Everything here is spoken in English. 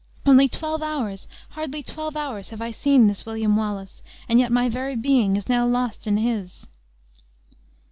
Only twelve hours hardly twelve hours, have I seen this William Wallace, and yet my very being is now lost in his!"